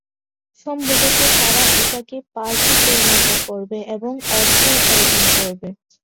সম্ভবত তারা এটাকে পার্কে পরিণত করবে, এবং অর্থ উপার্জন করবে।